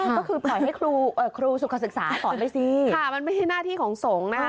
ก็คือปล่อยให้ครูสุขศึกษาต่อด้วยสิค่ะมันไม่ใช่หน้าที่ของสงฆ์นะคะ